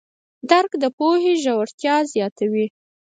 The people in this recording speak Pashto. درک د پوهې ژورتیا زیاتوي.